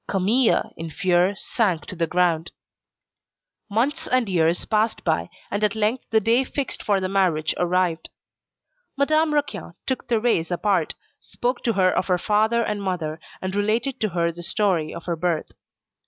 Camille in fear sank to the ground. Months and years passed by, and at length the day fixed for the marriage arrived. Madame Raquin took Thérèse apart, spoke to her of her father and mother, and related to her the story of her birth.